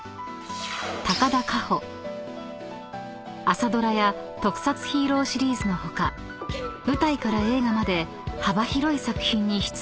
［朝ドラや特撮ヒーローシリーズの他舞台から映画まで幅広い作品に出演］